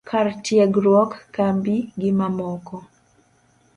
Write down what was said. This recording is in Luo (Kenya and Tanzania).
kar tiegruok, kambi, gi mamoko